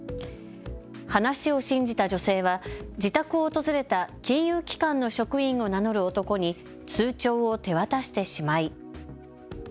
話を信じた女性は自宅を訪れた金融機関の職員を名乗る男に通帳を手渡してしまい。